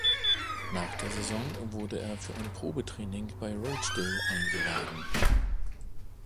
Nach der Saison wurde er für ein Probetraining bei Rochdale eingeladen.